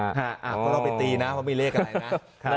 อ่าก็ต้องไปตีนะเพราะมีเลขอะไรนะ